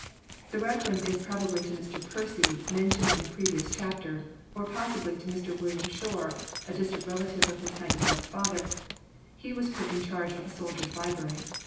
The reference is probably to Mr. Percy, mentioned in a previous chapter, or possibly to Mr. William Shore, a distant relative of Miss Nightingale's father; he was put in charge of a soldiers' library.